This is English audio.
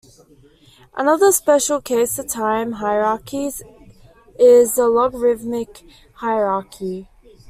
Another special case of time hierarchies is the logarithmic hierarchy.